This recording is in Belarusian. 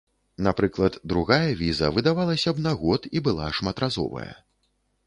Напрыклад, другая віза выдавалася б на год і была шматразовая.